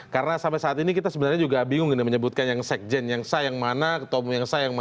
karena sampai saat ini kita sebenarnya juga bingung menyebutkan yang sekjen yang saya yang mana ketemu yang saya yang mana